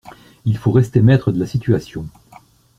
Il faut rester maître de la situation.